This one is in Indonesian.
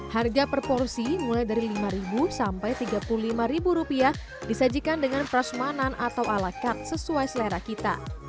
harga per porsi mulai dari rp lima sampai rp tiga puluh lima disajikan dengan prasmanan atau ala kart sesuai selera kita